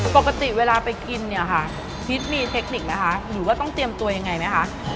ปกติเวลาไปกินเนี่ยค่ะพีชมีเทคนิคไหมคะหรือว่าต้องเตรียมตัวยังไงไหมคะ